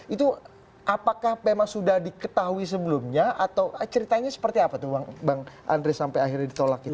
itu apakah memang sudah diketahui sebelumnya atau ceritanya seperti apa tuh bang andre sampai akhirnya ditolak itu